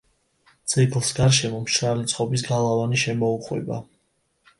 ძეგლს გარშემო მშრალი წყობის გალავანი შემოუყვება.